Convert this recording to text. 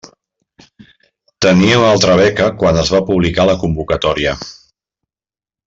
Tenia una altra beca quan es va publicar la convocatòria.